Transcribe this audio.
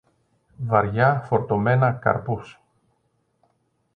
βαριά φορτωμένα καρπούς